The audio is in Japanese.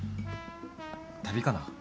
旅かな。